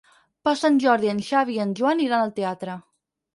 Per Sant Jordi en Xavi i en Joan iran al teatre.